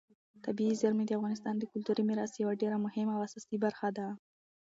طبیعي زیرمې د افغانستان د کلتوري میراث یوه ډېره مهمه او اساسي برخه ده.